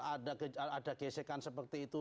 ada gesekan seperti itu